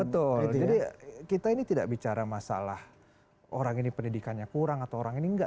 betul jadi kita ini tidak bicara masalah orang ini pendidikannya kurang atau orang ini enggak